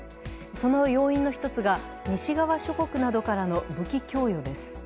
その要因の一つが、西側諸国などからの武器供与です。